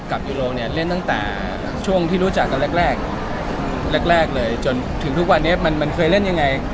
ยูโรเนี่ยเล่นตั้งแต่ช่วงที่รู้จักกันแรกแรกเลยจนถึงทุกวันนี้มันเคยเล่นยังไง